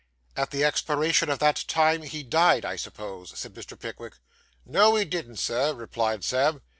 'At the expiration of that time he died, I suppose,' said Mr. Pickwick. 'No, he didn't, Sir,' replied Sam.